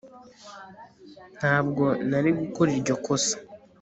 ntabwo nari gukora iryo kosa